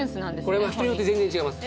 これは人によって全然違います